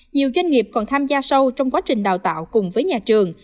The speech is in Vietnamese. nhiều doanh nghiệp còn tham gia sâu trong quá trình đào tạo cùng với nhà trường